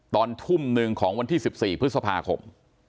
ตอนทุ่มหนึ่งของวันที่๑๔พฤษภาคม